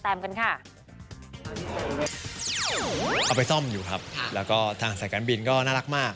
เอาไปซ่อมอยู่ครับแล้วก็ทางสายการบินก็น่ารักมาก